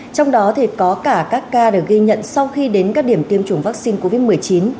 trong đó có cả các ca được ghi nhận sau khi đến các điểm tiêm chủng vaccine covid một mươi chín